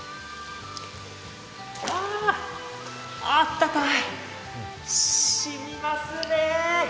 あ、あったかい、しみますね。